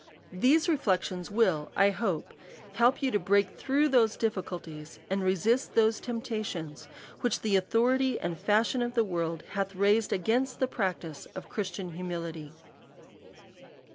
These reflections will, I hope, help you to break through those difficulties, and resist those temptations. DEVOUT AND HOLY LIFE. 231 which the authority and fashion of the world hatli raised against the practice of Christian humility.